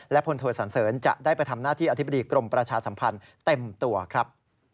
พลโทสันเสริญจะได้ไปทำหน้าที่อธิบดีกรมประชาสัมพันธ์เต็มตัวครับ